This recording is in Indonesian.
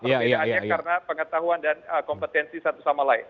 perbedaannya karena pengetahuan dan kompetensi satu sama lain